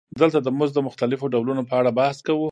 دلته د مزد د مختلفو ډولونو په اړه بحث کوو